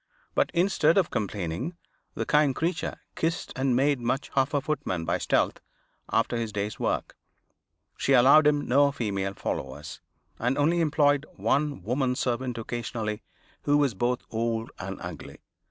But instead of complaining, the kind creature kissed and made much of her footman by stealth, after his day's work. She allowed him no female followers, and only employed one woman servant occasionally, who was both old and ugly.